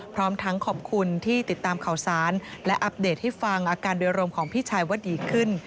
พร้อมทั้งขอบคุณที่ติดตามข่าวสารและอัปเดตให้ฟังอาการโดยรวมของพี่ชายว่าดีขึ้น